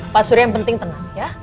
pak surya yang penting tenang ya